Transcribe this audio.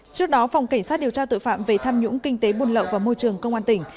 trước đó phòng cảnh sát điều tra tội phạm về tham nhũng kinh tế buôn lậu và môi trường công an tỉnh